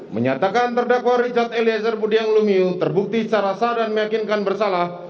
menyatakan terdakwa richard eliezer budiang lumiu terbukti secara sah dan meyakinkan bersalah